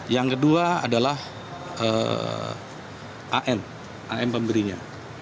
yang kedua adalah an am pemberinya